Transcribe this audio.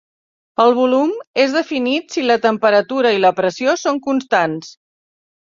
El volum és definit si la temperatura i la pressió són constants.